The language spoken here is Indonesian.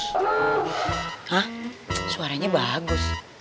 hah suaranya bagus